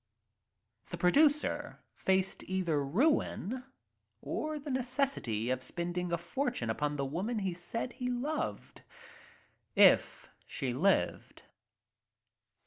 The* producer faced either ruin — or the necessity of spending a fortune upon the woman he said he loved — if she lived.